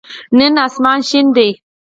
نن آسمان شین دی.